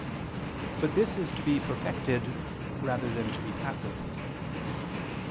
But this is to be perfected rather than to be passive.